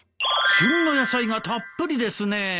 旬の野菜がたっぷりですね。